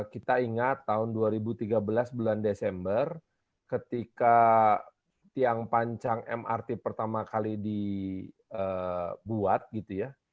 kita ingat tahun dua ribu tiga belas bulan desember ketika tiang pancang mrt pertama kali dibuat gitu ya